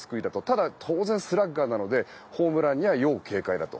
ただ、当然スラッガーなのでホームランには要警戒と。